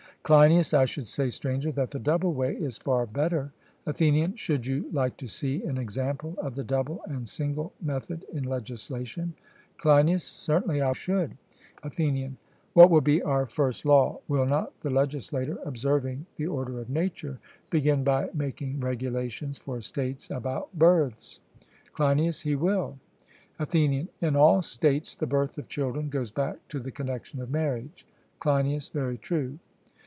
CLEINIAS: I should say, Stranger, that the double way is far better. ATHENIAN: Should you like to see an example of the double and single method in legislation? CLEINIAS: Certainly I should. ATHENIAN: What will be our first law? Will not the legislator, observing the order of nature, begin by making regulations for states about births? CLEINIAS: He will. ATHENIAN: In all states the birth of children goes back to the connexion of marriage? CLEINIAS: Very true.